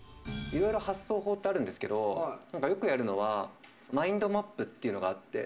いろいろ発想法ってあるんですけどよくやるのはっていうのがあって。